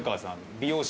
美容師。